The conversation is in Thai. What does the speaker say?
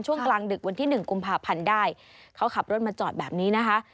ช่วงกลางดึกวันที่หนึ่งกุมภาพันธ์ได้เขาขับรถมาจอดแบบนี้นะคะ